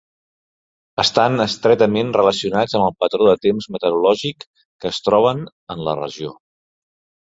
Estan estretament relacionats amb el patró de temps meteorològic que es troben en la regió.